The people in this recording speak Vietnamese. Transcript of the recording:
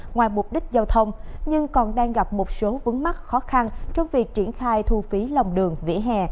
ngoài mục đích giao thông nhưng còn đang gặp một số vướng mắt khó khăn trong việc triển khai thu phí lòng đường vỉa hè